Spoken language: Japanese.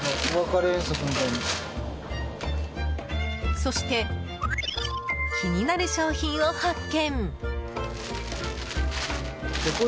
そして気になる商品を発見。